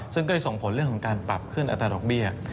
ซึ่งก็จะส่งผลเรื่องของการปรับขึ้นอัตราดอกเบี้ย